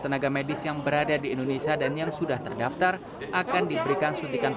tenaga medis yang berada di indonesia dan yang sudah terdaftar akan diberikan suntikan